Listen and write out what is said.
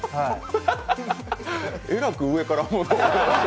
えらく上から言う。